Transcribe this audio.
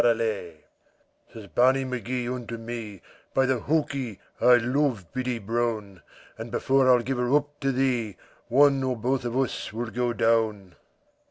Chorus Says Barney Magee unto me, By the hokey I love Biddy Brown, And before I'll give her up to thee, One or both of us will go down.